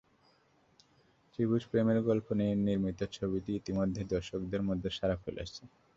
ত্রিভুজ প্রেমের গল্প নিয়ে নির্মিত ছবিটি ইতিমধ্যেই দর্শকদের মধ্যে সাড়া ফেলেছে।